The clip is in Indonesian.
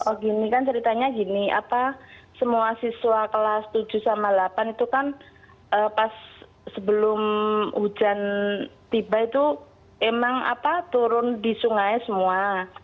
oh gini kan ceritanya gini apa semua siswa kelas tujuh sama delapan itu kan pas sebelum hujan tiba itu emang apa turun di sungai semua